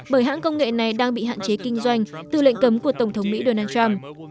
bởi hãng công nghệ này đang bị hạn chế kinh doanh từ lệnh cấm của tổng thống mỹ donald trump